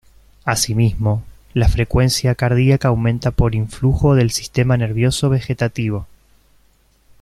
Asimismo, la frecuencia cardíaca aumenta por influjo del sistema nervioso vegetativo.